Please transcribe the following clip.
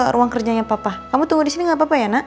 ruang kerjanya papa kamu tunggu di sini gak apa apa ya nak